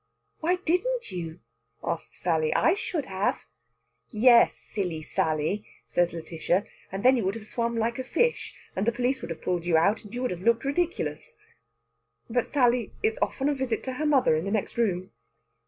"Why didn't you?" asks Sally. "I should have." "Yes, silly Sally!" says Lætitia; "and then you would have swum like a fish. And the police would have pulled you out. And you would have looked ridiculous!" But Sally is off on a visit to her mother in the next room.